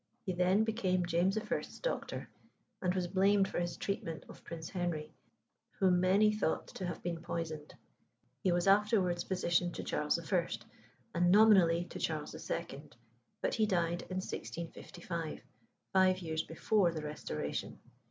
He then became James I.'s doctor, and was blamed for his treatment of Prince Henry, whom many thought to have been poisoned. He was afterwards physician to Charles I., and nominally to Charles II.; but he died in 1655, five years before the Restoration.